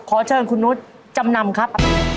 ขอเชิญคุณนุษย์จำนำครับ